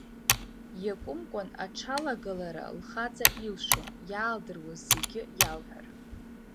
Иакәымкәан аҽалагалара лхаҵа илшон, иаалдыруаз зегь иалҳәар.